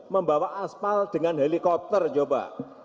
membawa aspal dengan helikopter coba